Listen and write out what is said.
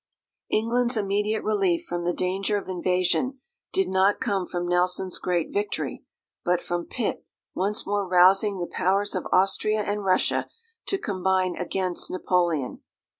England's immediate relief from the danger of invasion did not come from Nelson's great victory, but from Pitt once more rousing the powers of Austria and Russia to combine against Napoleon.